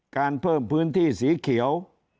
การเพิ่มพื้นที่สีเขียว